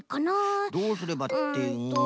どうすればってうん。